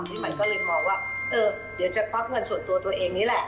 นี่มันก็เลยมองว่าเออเดี๋ยวจะควักเงินส่วนตัวตัวเองนี่แหละ